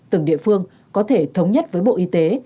từng địa phương có thể thống nhất với bộ y tế